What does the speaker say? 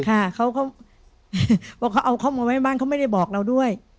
ค่ะเขาก็เอาเขามาไว้บ้านเขาไม่ได้บอกเราด้วย